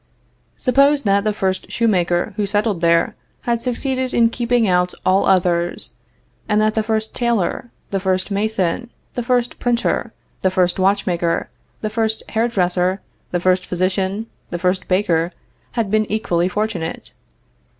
Suppose that the first shoemaker who settled there had succeeded in keeping out all others, and that the first tailor, the first mason, the first printer, the first watchmaker, the first hair dresser, the first physician, the first baker, had been equally fortunate.